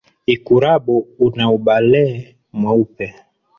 Ikurabu una ubale mweupe.